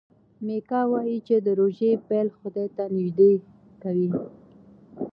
میکا وايي چې د روژې پیل خدای ته نژدې کوي.